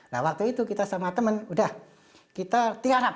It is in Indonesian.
nah waktu itu kita sama temen udah kita tiarap